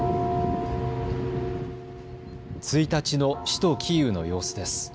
１日の首都キーウの様子です。